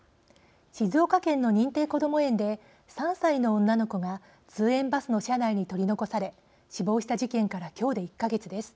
静岡県の認定こども園で３歳の女の子が通園バスの車内に取り残され死亡した事件から今日で１か月です。